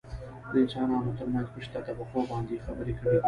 دانسانانو ترمنځ په شته طبقو باندې يې خبرې کړي دي .